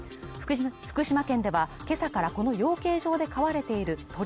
福島県ではけさからこの養鶏場で飼われている鶏